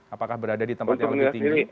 apakah berada di tempat yang berhenti